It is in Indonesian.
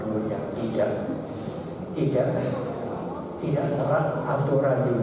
tuhan yang tidak terang aturan di meskut itu bisa dibangun pendopo